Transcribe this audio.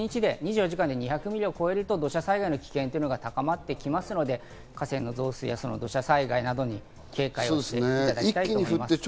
２４時間で２００ミリを超えると土砂災害の危険が高まってきますので、河川の増水や土砂災害などに警戒していただきたいと思います。